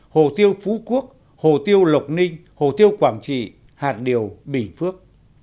hồ tiêu phú quốc hồ tiêu lộc ninh hồ tiêu quảng trị hạt điều bình phước